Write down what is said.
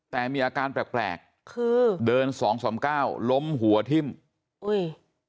แต่มีอาการแปลกแปลกคือเดินสองสามเก้าล้มหัวทิ้มอุ้ย